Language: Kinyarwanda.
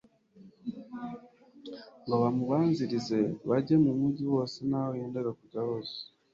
ngo bamubanzirize bajye mu mujyi wose n'aho yendaga kujya hose.»